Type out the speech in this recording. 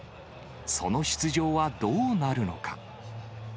その出場はどうなるのか。